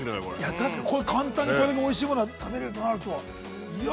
◆確かに、これ、簡単に、こういうおいしいものが食べれるとなると。